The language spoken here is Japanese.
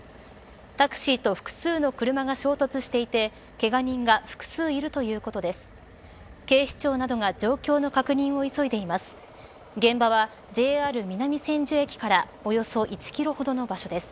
タクシーと複数の車が衝突していてけが人が複数いるということです。